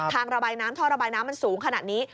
ระบายน้ำท่อระบายน้ำมันสูงขนาดนี้